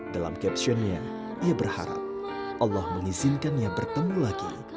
dalam captionnya ia berharap allah mengizinkannya bertemu lagi